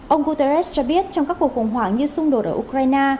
ông guterres cho biết trong các cuộc khủng hoảng như xung đột ở ukraine